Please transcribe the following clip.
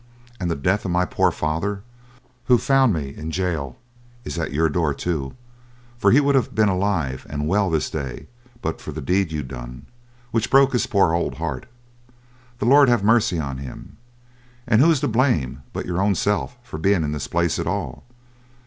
And the death of my poor father, who found me in gaol, is at your door too, for he would have been alive and well this day but for the deed you done, which broke his poor old heart; the Lord have mercy on him. And who is to blame but your own self for being in this place at all?